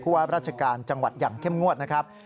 ว่าราชการจังหวัดอย่างเข้มงวดนะครับ